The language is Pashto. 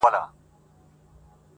لپی لپی یې لا ورکړل غیرانونه.!